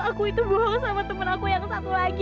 aku itu bohong sama temen aku yang satu lagi